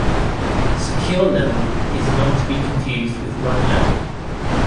Securelevel is not to be confused with runlevel.